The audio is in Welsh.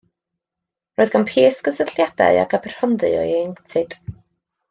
Roedd gan Price cysylltiadau ag Aberhonddu o'i ieuenctid.